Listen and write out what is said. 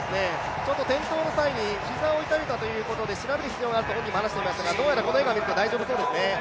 転倒の際に膝を痛めたということで、調べる必要があると本人も言っていましたがどうやらこの笑顔見ると大丈夫そうですね。